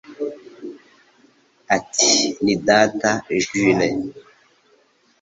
Ati: "Ni data, Jule."